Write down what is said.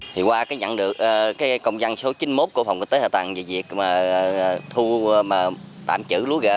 thì qua cái nhận được công dân số chín mươi một của phòng cơ tế hạ tạng về việc thu tạm chữ lúa gợ